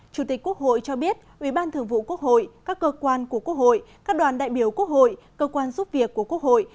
chủ tịch quốc hội cho biết ubth các cơ quan của quốc hội các đoàn đại biểu quốc hội cơ quan giúp việc của quốc hội